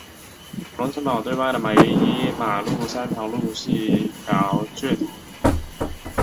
龙成堡对外的唯一马路山塘路是一条掘头路。